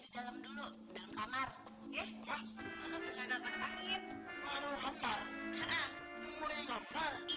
kalau gitu abang buka aja di dalam dulu ya